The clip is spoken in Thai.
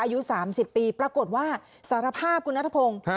อายุ๓๐ปีปรากฏว่าสารภาพคุณนัทพงศ์